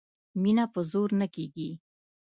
مینه په زور نه کېږي